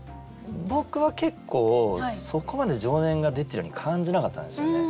僕は結構そこまで情念が出てるように感じなかったんですよね。